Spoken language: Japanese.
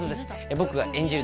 僕が演じる、